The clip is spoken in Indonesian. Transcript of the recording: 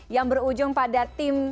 yang berujung pada tim